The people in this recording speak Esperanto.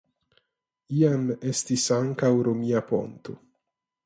Iam estis ankaŭ romia ponto.